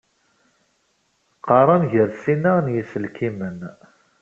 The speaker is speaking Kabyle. Qaren gar sin-a n yiselkimen.